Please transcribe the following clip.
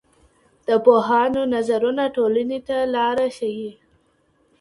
د پوهانو نظرونه ټولني ته لاره ښيي.